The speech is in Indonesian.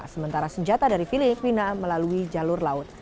sementara senjata dari filipina melalui jalur laut